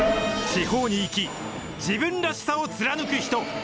地方に生き、自分らしさを貫く人。